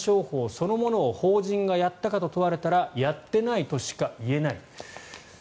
そのものを法人がやっていかと問われたらやってないとしか言えない。